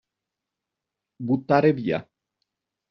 Buttare via.